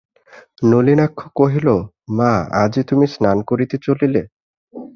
নলিনাক্ষ কহিল, মা, আজই তুমি স্নান করিতে চলিলে?